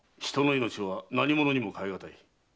人の命は何ものにも代えがたい。